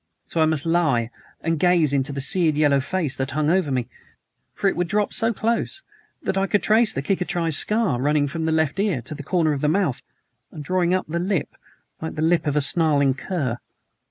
So I must lie and gaze into the seared yellow face that hung over me, for it would drop so close that I could trace the cicatrized scar running from the left ear to the corner of the mouth, and drawing up the lip like the lip of a snarling cur.